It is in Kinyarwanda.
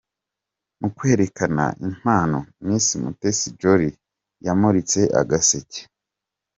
Mu kwerekana impano, Miss Mutesi Jolly yamuritse agaseke.